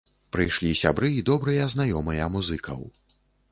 Прыйшлі сябры і добрыя знаёмыя музыкаў.